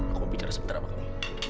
aku mau bicara sebentar sama kamu